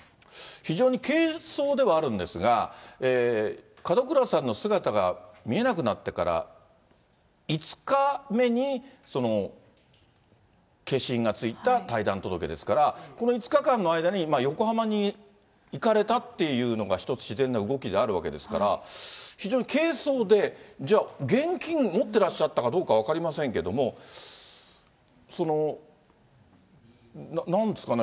非常に軽装ではあるんですが、門倉さんの姿が見えなくなってから５日目に、消印がついた退団届ですから、この５日間の間に横浜に行かれたっていうのが一つ自然な動きであるわけですから、非常に軽装で、じゃあ、現金持っていらっしゃったかどうか分かりませんけれども、なんですかね。